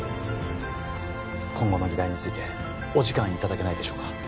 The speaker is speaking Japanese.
今後の議題についてお時間いただけないでしょうか？